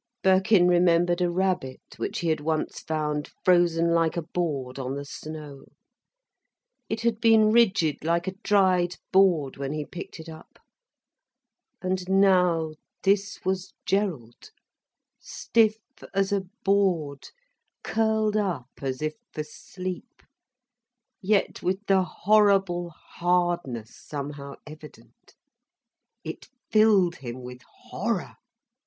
Birkin remembered a rabbit which he had once found frozen like a board on the snow. It had been rigid like a dried board when he picked it up. And now this was Gerald, stiff as a board, curled up as if for sleep, yet with the horrible hardness somehow evident. It filled him with horror.